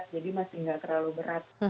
jadi masih tidak terlalu berat